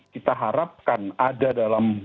kita harapkan ada dalam